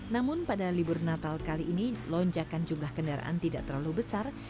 namun pada libur natal kali ini lonjakan jumlah kendaraan tidak terlalu besar